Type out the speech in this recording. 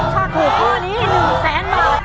ถ้าถูกข้อนี้๑แสนบาท